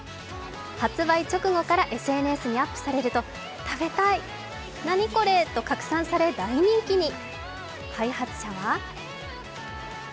発売直後からＳＮＳにアップされると「食べたい、なにこれ？」と拡散され大人気に。